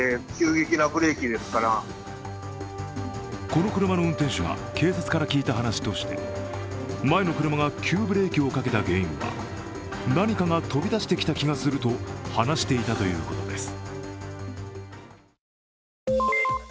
この車の運転手が警察から聞いた話として前の車が急ブレーキをかけた原因は何かが飛び出してきた気がすると話していたということです。